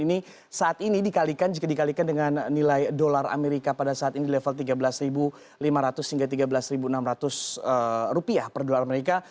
ini saat ini jika dikalikan dengan nilai dolar amerika pada saat ini level tiga belas lima ratus hingga tiga belas enam ratus rupiah per dolar amerika